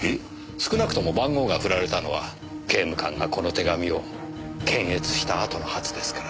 少なくとも番号が振られたのは刑務官がこの手紙を検閲したあとのはずですから。